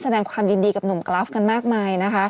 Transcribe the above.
แสดงความยินดีกับหนุ่มกราฟกันมากมายนะคะ